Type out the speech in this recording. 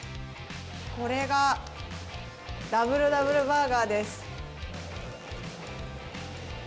これがダブルダブルバーガーです。